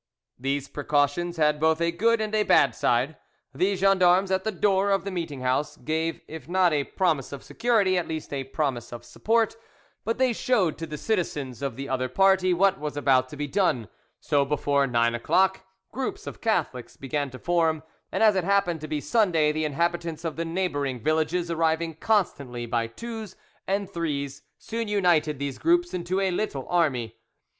These precautions had both a good and a bad side. The gens d'armes at the door of the meetinghouse gave if not a promise of security at least a promise of support, but they showed to the citizens of the other party what was about to be done; so before nine o'clock groups of Catholics began to form, and as it happened to be Sunday the inhabitants of the neighbouring villages arriving constantly by twos and threes soon united these groups into a little army.